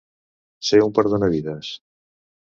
Ser un perdonavides.